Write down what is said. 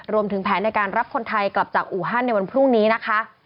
รวมถึงแผนในการรับคนไทยกลับจากอูฮันในวันพรุ่งนี้นะคะ